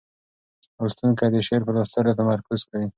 لوستونکی د شعر په لوستلو تمرکز کوي.